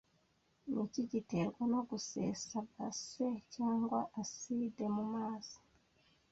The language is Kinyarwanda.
Niki giterwa no gusesa base cyangwa aside mumazi